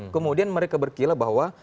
kemudian mereka berkira bahwa